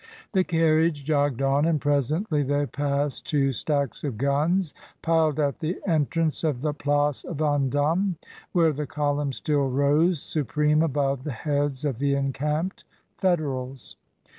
The carriage jogged on, and presently they passed two stacks of guns, piled at the entrance of the Place Vend6me, where the column still rose su preme above the heads of the encamped Federals.